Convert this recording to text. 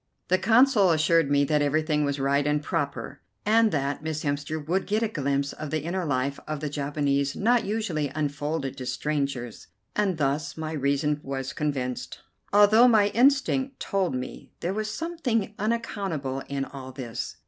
The Consul assured me that everything was right and proper, and that Miss Hemster would get a glimpse of the inner life of the Japanese not usually unfolded to strangers, and thus my reason was convinced, although my instinct told me there was something unaccountable in all this.